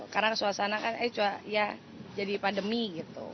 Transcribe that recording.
karena suasana kan ya jadi pandemi gitu